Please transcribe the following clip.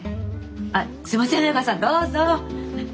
あっすいません早川さんどうぞ！